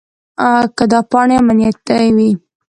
که دا پاڼې امنیتي وي.